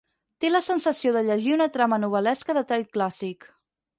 Té la sensació de llegir una trama novel·lesca de tall clàssic.